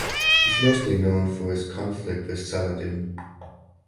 He is mostly known for his conflict with Saladin.